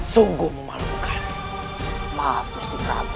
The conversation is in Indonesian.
sungguh memalukan maaf mesti kamu